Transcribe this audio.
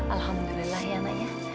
alhamdulillah ya anaknya